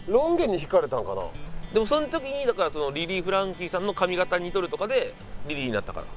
でもその時にだからリリー・フランキーさんの髪形に似とるとかでリリーになったから。